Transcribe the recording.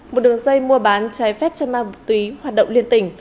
một đường dây mua bán trái phép chân ma túy hoạt động liên tỉnh